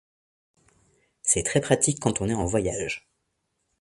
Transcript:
C'est très pratique quand on est en voyage.